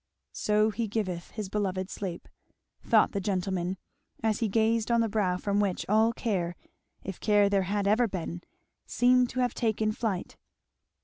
"So he giveth his beloved sleep," thought the gentleman, as he gazed on the brow from which all care, if care there had ever been, seemed to have taken flight.